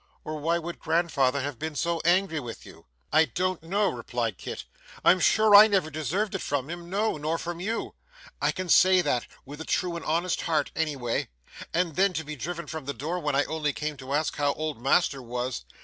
'Or why would grandfather have been so angry with you?' 'I don't know,' replied Kit. 'I'm sure I never deserved it from him, no, nor from you. I can say that, with a true and honest heart, any way. And then to be driven from the door, when I only came to ask how old master was